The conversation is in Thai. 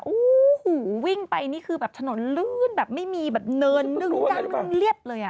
โอ้โหวิ่งไปนี่คือแบบถนนลื่นแบบไม่มีแบบเนินนึ่งดังเรียบเลยอ่ะ